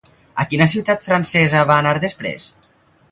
A quina ciutat francesa va anar després?